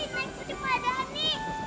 nanti aku cepat dani